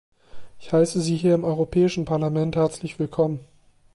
Ich heiße Sie hier im Europäischen Parlament herzlich willkommen.